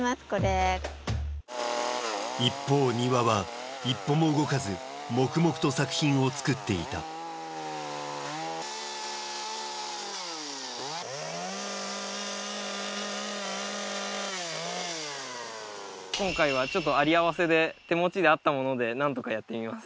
一方丹羽は一歩も動かず黙々と作品を作っていた今回は有り合わせで手持ちであったもので何とかやってみます